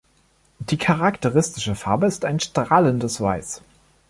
Die charakteristische Farbe ist ein strahlendes Weiß.